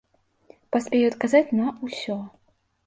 Паспею адказаць на ўсё!